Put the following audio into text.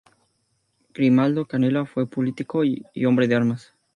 Grimaldo Canella fue político y hombre de armas.